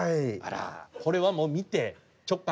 これはもう見て直感？